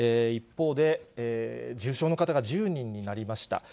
一方で、重症の方が１０人になりました。